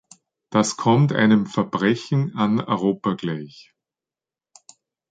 Das kommt einem Verbrechen an Europa gleich.